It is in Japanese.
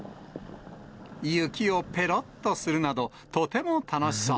雪をぺろっとするなど、とても楽しそう。